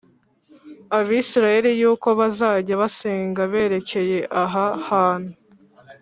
’abisirayeli, uko bazajya basenga berekeye aha hantu;